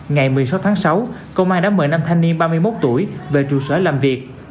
ngày một mươi sáu tháng sáu công an đã mời năm thanh niên ba mươi một tuổi về trụ sở làm việc